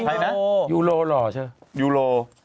ใครนะยูโรหรอเชิญยูโร